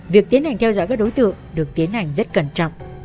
việc tiến hành theo dõi các đối tượng được tiến hành rất cẩn trọng